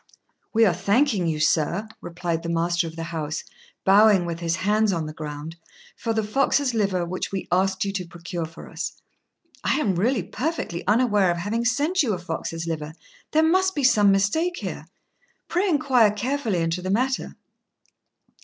"We are thanking you, sir," replied the master of the house, bowing with his hands on the ground, "for the fox's liver which we asked you to procure for us." "I really am perfectly unaware of having sent you a fox's liver: there must be some mistake here. Pray inquire carefully into the matter."